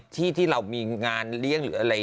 ที่ที่เรามีงานเลี้ยง